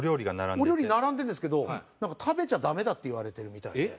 お料理並んでるんですけどなんか食べちゃダメだって言われてるみたいで。